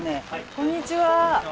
こんにちは。